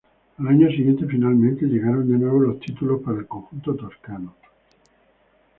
Al año siguiente finalmente llegaron de nuevo los títulos para el conjunto toscano.